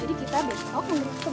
rima ke belakang ibu